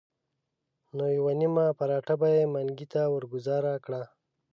نو یوه نیمه پراټه به یې منګي ته ورګوزاره کړه.